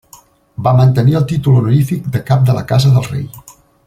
Va mantenir el títol honorífic de Cap de la Casa del Rei.